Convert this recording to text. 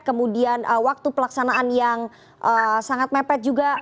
kemudian waktu pelaksanaan yang sangat mepet juga